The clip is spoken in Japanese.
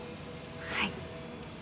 はい。